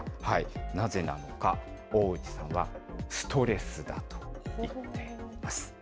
なぜなのか、大内さんは、ストレスだと言っています。